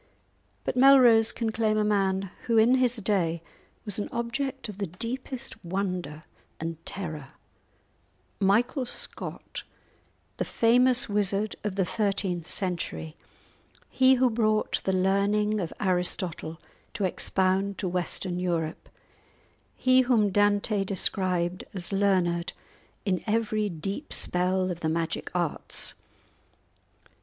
But Melrose can claim a man who in his day was an object of the deepest wonder and terror—Michael Scott, the famous wizard of the thirteenth century, he who brought the learning of Aristotle to expound to Western Europe, he whom Dante described as learned in every deep spell of the magic arts.